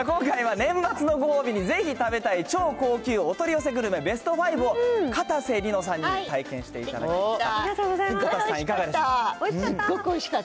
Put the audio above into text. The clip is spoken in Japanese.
今回は年末のご褒美にぜひ食べたい超高級お取り寄せグルメベスト５を、かたせ梨乃さんに体験していただきました。